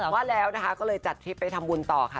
ว่าแล้วนะคะก็เลยจัดทริปไปทำบุญต่อค่ะ